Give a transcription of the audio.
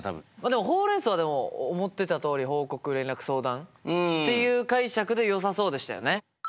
ホウ・レン・ソウはでも思ってたとおり報告・連絡・相談っていう解釈でよさそうでしたよね。